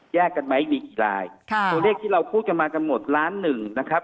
กันไหมมีกี่ลายค่ะตัวเลขที่เราพูดกันมากำหนดล้านหนึ่งนะครับ